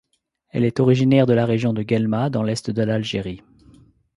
Elle est originaire de la région de Guelma dans l'est de l'Algérie.